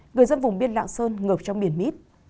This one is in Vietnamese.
người dân vùng biên lạng sơn ngập trong biển mít